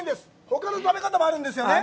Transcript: ほかの食べ方もあるんですよね？